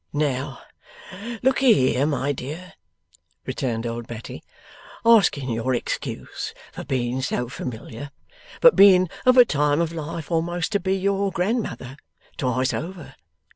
'Now, lookee here, by dear,' returned old Betty 'asking your excuse for being so familiar, but being of a time of life a'most to be your grandmother twice over.